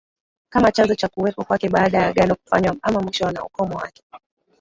kama chanzo cha kuweko kwake baada ya Agano kufanywa ama Mwisho na ukomo wake